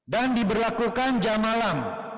dan diberlakukan jam malam